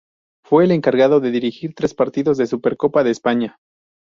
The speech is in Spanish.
Fue el encargado de dirigir tres partidos de Supercopa de España.